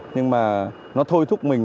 nhưng mà nó thôi thúc mình